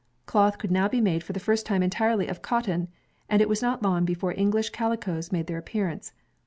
Cloth could now be made for the first time entirely of cotton, and it was not long before English calicoes made their appearance.